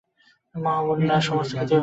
মহা বন্যায় সমস্ত পৃথিবী ভাসিয়া যাইবে।